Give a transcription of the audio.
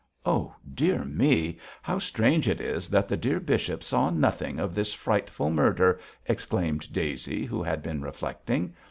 'Oh, dear me! how strange it is that the dear bishop saw nothing of this frightful murder,' exclaimed Daisy, who had been reflecting.